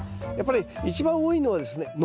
やっぱり一番多いのはですね